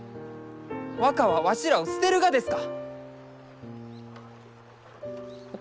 若はわしらを捨てるがですか！